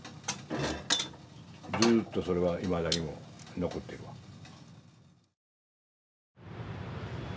ずっとそれはいまだにも残ってるわ。